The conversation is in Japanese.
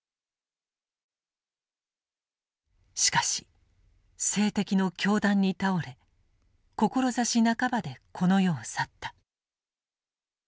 しかし政敵の凶弾に倒れ志半ばでこの世を去った。